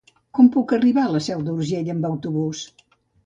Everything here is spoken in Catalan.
Com puc arribar a la Seu d'Urgell amb autobús?